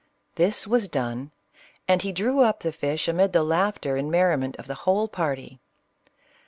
This was done, and he drew up the fish amid the laughter and merriment of the whole party.